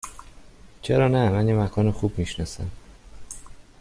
چرا نه؟ من یک مکان خوب می شناسم.